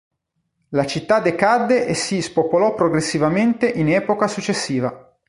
La città decadde e si spopolò progressivamente in epoca successiva.